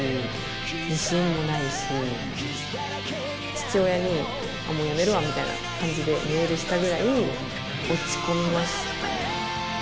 父親に「もうやめるわ」みたいな感じでメールしたぐらい落ち込みましたね。